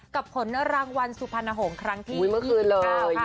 กับผลรางวัลสุพรรณหงษ์ครั้งที่๒๙ค่ะ